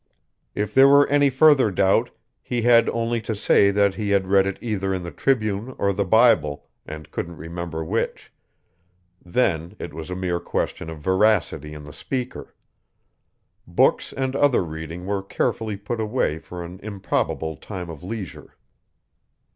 If there were any further doubt he had only to say that he had read it either in the Tribune or the Bible, and couldn't remember which. Then it was a mere question of veracity in the speaker. Books and other reading were carefully put away for an improbable time of leisure.